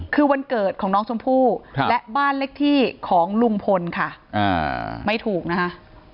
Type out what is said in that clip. คือวันเกิดของน้องชมพู่และบ้านเลขที่ของลุงพลค่ะไม่ถูกนะคะ